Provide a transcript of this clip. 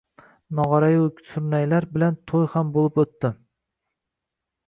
Nog`ora-yu, surnaylar bilan to`y ham bo`lib o`tdi